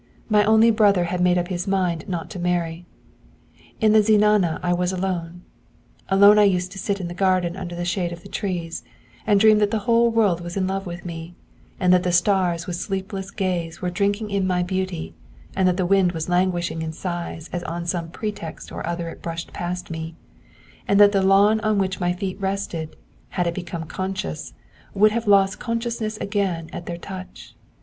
'My only brother had made up his mind not to marry. In the zenana I was alone. Alone I used to sit in the garden under the shade of the trees, and dream that the whole world was in love with me; that the stars with sleepless gaze were drinking in my beauty; that the wind was languishing in sighs as on some pretext or other it brushed past me; and that the lawn on which my feet rested, had it been conscious, would have lost consciousness again at their touch.